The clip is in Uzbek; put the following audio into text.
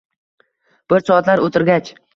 Bir soatlar o'tirgach